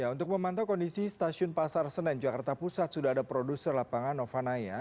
untuk memantau kondisi stasiun pasar senen jakarta pusat sudah ada produser lapangan nova naya